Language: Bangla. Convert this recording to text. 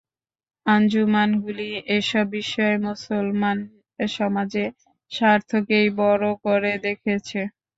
আঞ্জুমানগুলি এসব বিষয়ে মুসলমান সমাজের স্বার্থকেই বড় করে দেখেছে।